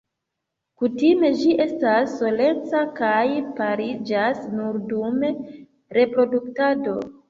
Kutime ĝi estas soleca kaj pariĝas nur dum reproduktado.